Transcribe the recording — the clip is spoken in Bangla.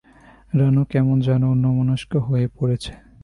রানু কেমন যেন অন্যমনস্ক হয়ে পড়েছে।